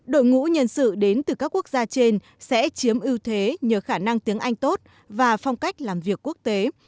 đội ngũ nhân sự đến từ các quốc gia trên sẽ chiếm ưu thế nhờ khả năng tiếng anh tốt và phong cách làm việc quốc tế